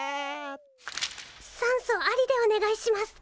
酸素ありでお願いします。